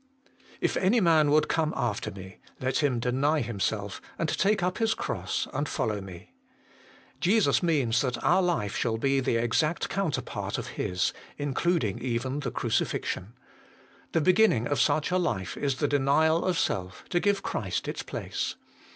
1. 'If any man would come after me, let him deny himself, and take up his cross, and follow me.' Jesus means that our life shall be the exact counterpart of His, Including even the crucifixion. The beginning of such a life is the denial of self, to give Christ its place.